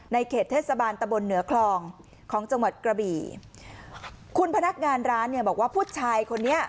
เขตเทศบาลตะบนเหนือคลองของจังหวัดกระบี่คุณพนักงานร้านเนี่ยบอกว่าผู้ชายคนนี้